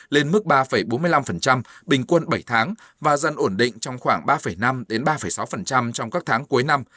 lên mức ba bốn mươi năm bình quân bảy tháng và dân ổn định trong khoảng ba năm ba sáu trong các tháng cuối năm